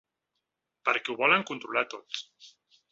Perquè ho volen controlar tot.